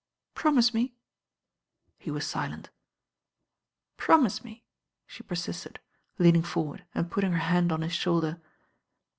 Promise me?'* He was silent. THE BAIN GIRL "Promise me," she persisted, leaning forwird •nd putting her hand on his shoulder.